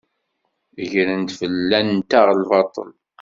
Gren-d fell-anteɣ lbaṭel.